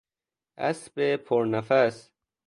اسب پر نفس